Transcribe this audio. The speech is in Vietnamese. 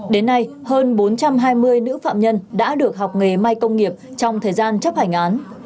đến nay hơn bốn trăm hai mươi nữ phạm nhân đã được học nghề may công nghiệp trong thời gian chấp hành án